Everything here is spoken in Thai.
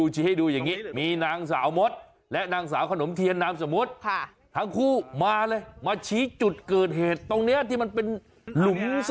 ชี้ให้ดูอย่างนี้มีนางสาวมดและนางสาวขนมเทียนน้ำสมมุตร